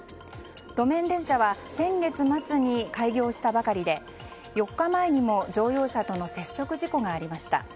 路面電車は先月末に開業したばかりで４日前にも乗用車との接触事故がありました。